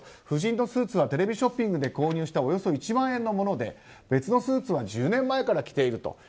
夫人のスーツはテレビショッピングで購入したおよそ１万円のもので別のスーツは１０年前から着ていると。